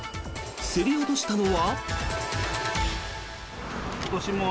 競り落としたのは。